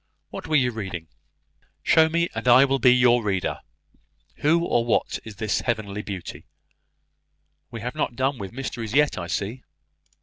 What were you reading? Show me, and I will be your reader. Who or what is this Heavenly Beauty? We have not done with mysteries yet, I see."